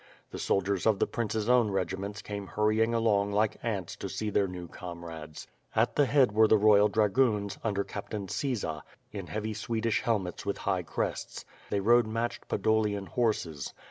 The soldiers of the princess own regiments came hurrying along like ants to see their new comrades. At the head were the royal dragoons, under Captain Ciza, in heavy Swedish helmets with high crests. They rode matched Podolian horses.